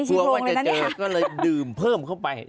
กลัวว่าจะเจอก็เลยดื่มเพิ่มเข้าไป